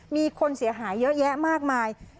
มีคนเสียหายเยอะแยะมากมาย